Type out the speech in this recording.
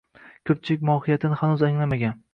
Ko‘pchilik mohiyatini hanuz anglamagan.